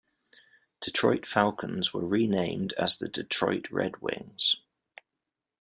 Detroit Falcons were renamed as the Detroit Red Wings.